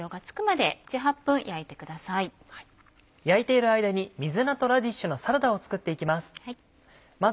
焼いている間に水菜とラディッシュのサラダを作っていきます。